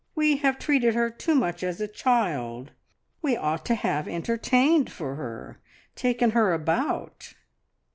We have treated her too much as a child. We ought to have entertained for her, taken her about."